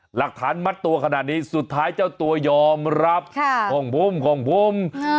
หลักฐานมัดตัวขนาดนี้สุดท้ายเจ้าตัวยอมรับของผมของผม